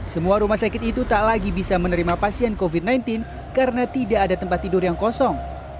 semua rumah sakit itu tak lagi bisa menerima pasien covid sembilan belas karena tidak ada tempat tidur yang kosong